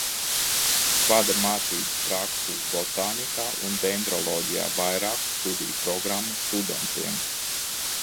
Vada mācību prakses botānikā un dendroloģijā vairāku studiju programmu studentiem.